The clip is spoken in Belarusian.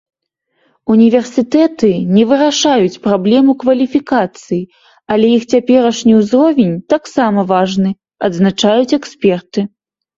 Універсітэты не вырашаюць праблему кваліфікацыі, але іх цяперашні ўзровень таксама важны, адзначаюць эксперты.